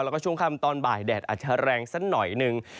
แล้วก็ช่วงค่ำตอนบ่ายแดดอาจจะแรงสักหน่อยหนึ่ง